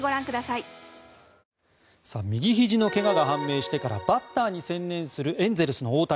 右ひじの怪我が判明してからバッターに専念するエンゼルスの大谷。